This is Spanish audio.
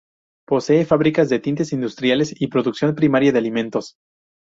Posee fábricas de tintes industriales, y producción primaria de alimentos.